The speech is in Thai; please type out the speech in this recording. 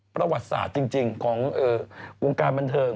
ประวัติศาสตร์จริงของวงการบันเทิง